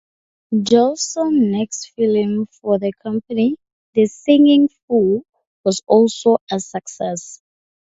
Jolson's next film for the company, "The Singing Fool" was also a success.